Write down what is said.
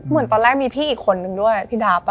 เหมือนตอนแรกมีพี่อีกคนนึงด้วยพี่ดาป่